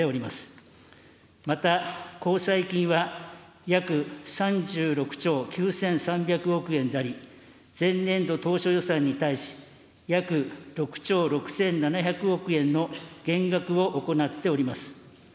また、公債金は約３６兆９３００億円であり、前年度当初予算に対し、約６兆６７００億円の減額を行っております。